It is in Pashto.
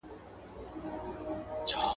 موږ په صنف کي د پروګرامینګ پر اصولو بحث کوو.